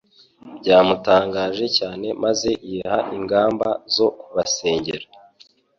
byamutangaje cyane maze yiha ingamba zo kubasengera